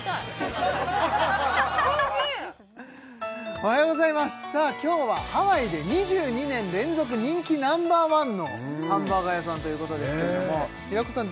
おはようございますさあ今日はハワイで２２年連続人気Ｎｏ．１のハンバーガー屋さんということですけれども平子さん